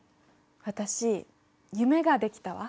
私夢ができたわ。